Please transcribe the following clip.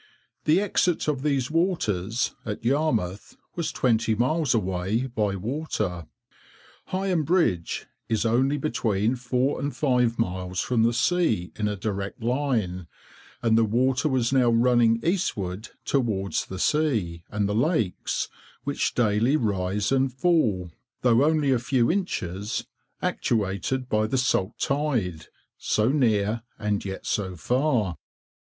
The exit of these waters—at Yarmouth—was twenty miles away, by water; Heigham Bridge is only between four and five miles from the sea, in a direct line, and the water was now running eastward, towards the sea, and the lakes, which daily rise and fall, though only a few inches, actuated by the salt tide, "so near, and yet so far."